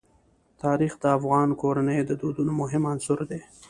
تاریخ د افغان کورنیو د دودونو مهم عنصر دی.